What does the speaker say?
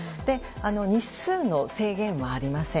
日数の制限はありません。